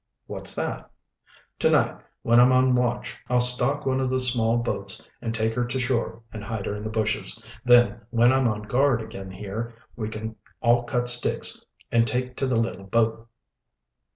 "What's that?" "To night, when I'm on watch, I'll stock one of the small boats and take her to shore and hide her in the bushes. Then, when I'm on guard again here, we can all cut sticks and take to the little boat."